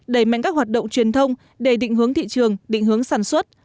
đẩy mạnh các hoạt động truyền thông để định hướng thị trường định hướng sản xuất